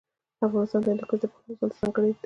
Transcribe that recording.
افغانستان د هندوکش د پلوه ځانته ځانګړتیا لري.